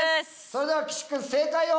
それでは岸君正解を。